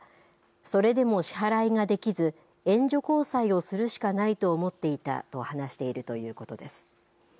それでも支払いができず、援助交際をするしかないと思っていたと話しているということです。